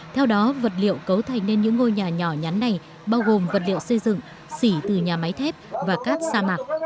theo đó vật liệu cấu thành nên những ngôi nhà nhỏ nhắn này bao gồm vật liệu xây dựng xỉ từ nhà máy thép và cát sa mạc